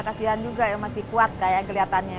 kasian juga ya masih kuat kayaknya kelihatannya